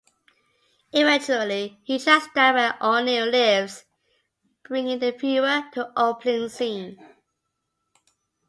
Eventually, he tracks down where O'Neill lives, bringing the viewer to the opening scene.